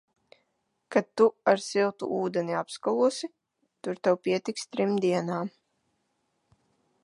Kad tu ar siltu ūdeni apskalosi, tur tev pietiks trim dienām.